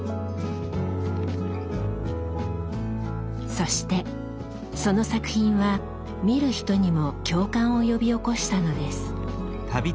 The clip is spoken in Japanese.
そしてその作品は見る人にも共感を呼び起こしたのです。